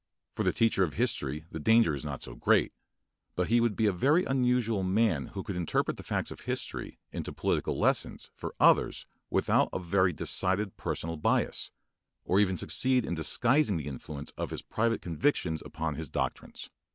For the teacher of history the danger is not so great, but he would be a very unusual man who could interpret the facts of history into political lessons for others without a very decided personal bias, or even succeed in disguising the influence of his private convictions upon his doctrines.